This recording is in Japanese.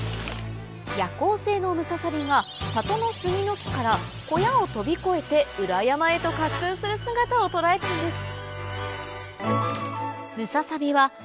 ・夜行性のムササビが里のスギの木から小屋を飛び越えて裏山へと滑空する姿を捉えたんです